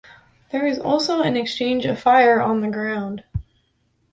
There is also an exchange of fire on the ground.